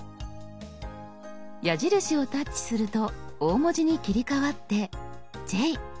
矢印をタッチすると大文字に切り替わって「Ｊ」。